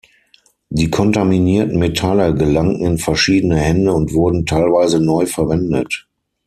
Die kontaminierten Metalle gelangten in verschiedene Hände und wurden teilweise neu verwendet.